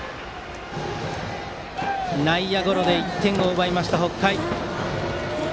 内野ゴロで１点を奪いました。